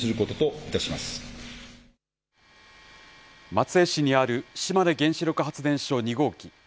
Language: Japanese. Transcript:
松江市にある島根原子力発電所２号機。